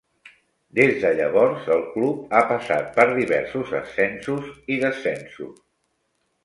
Des de llavors, el club ha passat per diversos ascensos i descensos.